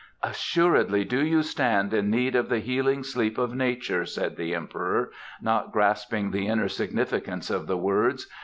'" "Assuredly do you stand in need of the healing sleep of nature," said the Emperor, not grasping the inner significance of the words.